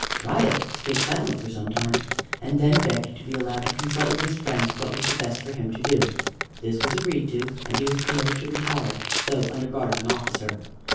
Riot stood silent for some time, and then begged to be allowed to consult with his friends what was the best for him to do. This was agreed to, and he was permitted to retire, though under guard of an officer.